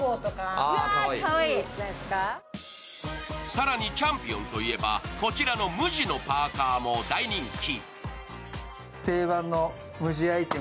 更にチャンピオンといえばこちらの無地のパーカーも大人気。